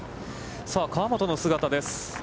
河本の姿です。